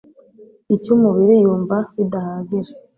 icy'umubiri yumva bidahagije